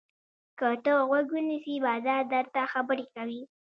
که ته غوږ ونیسې، بازار درته خبرې کوي.